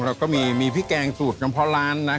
แล้วก็มีพริกแกงสูตรทางเพ้อร้าน